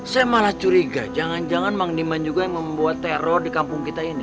saya malah curiga jangan jangan mang demand juga yang membuat teror di kampung kita ini